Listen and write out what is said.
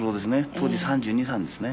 当時３２３３ですね。